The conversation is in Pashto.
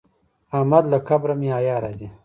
احمد له قبره مې حیا راځي.